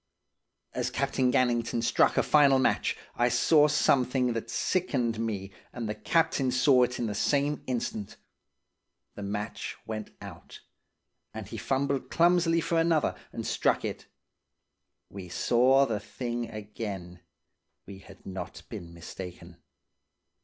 "As Captain Gannington struck a final match, I saw something that sickened me and the captain saw it in the same instant. The match went out, and he fumbled clumsily for another, and struck it. We saw the thing again. We had not been mistaken.